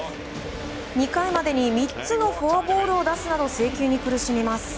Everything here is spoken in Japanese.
２回までに３つのフォアボールを出すなど制球に苦しみます。